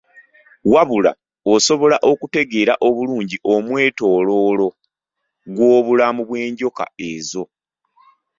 Wabula, osobola okutegeera obulungi omwetooloolo gw’obulamu bw’enjoka ezo.